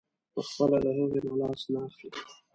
پخپله له هغې نه لاس نه اخلي.